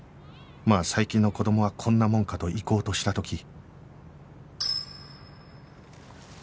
まあ最近の子供はこんなもんかと行こうとした時